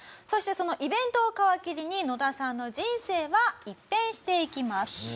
そしてそのイベントを皮切りに野田さんの人生は一変していきます。